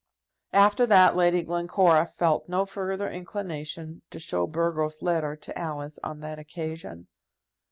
After that, Lady Glencora felt no further inclination to show Burgo's letter to Alice on that occasion.